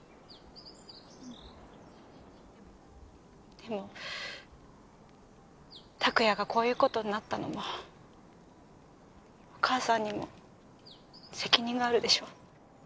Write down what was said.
でも拓也がこういう事になったのもお母さんにも責任があるでしょ？